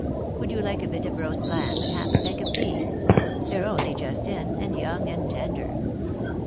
Would you like a bit of roast lamb and half a peck of peas F — they're only just in, and young and tender."